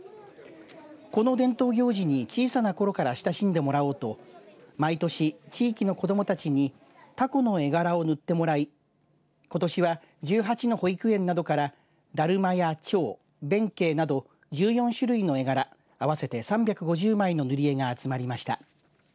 この伝統行事に小さな頃から親しんでもらおうと毎年地域の子どもたちにたこの絵柄を塗ってもらいことしは１８の保育園などからだるまやちょう、弁慶など１４種類の絵柄合わせて３５０枚の塗り絵が集まりました。